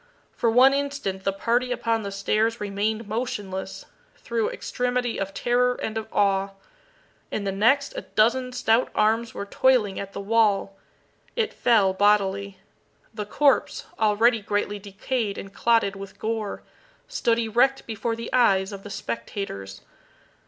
For one instant the party upon the stairs remained motionless, through extremity of terror and of awe. In the next a dozen stout arms were toiling at the wall. It fell bodily. The corpse, already greatly decayed and clotted with gore, stood erect before the eyes of the spectators.